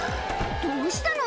「どうしたの？